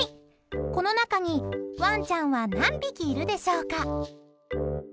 この中にワンちゃんは何匹いるでしょうか？